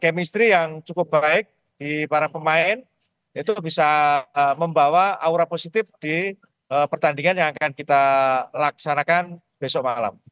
chemistry yang cukup baik di para pemain itu bisa membawa aura positif di pertandingan yang akan kita laksanakan besok malam